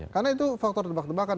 karena itu faktor tebak tebakan